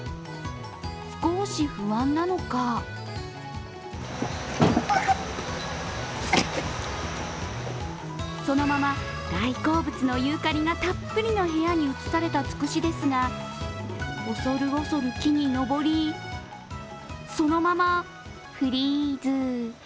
少し不安なのかそのまま大好物のユーカリがたっぷりの部屋に移されたつくしですが、恐る恐る木に登り、そのままフリーズ。